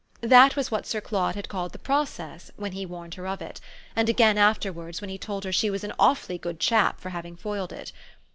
That was what Sir Claude had called the process when he warned her of it, and again afterwards when he told her she was an awfully good "chap" for having foiled it.